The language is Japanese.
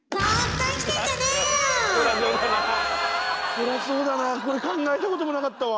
そりゃそうだなこれ考えたこともなかったわ。